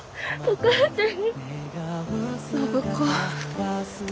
お母ちゃん！